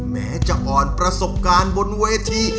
แม้จะอ่อนประสบการณ์บนเวที